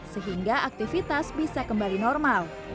sehingga aktivitas bisa kembali normal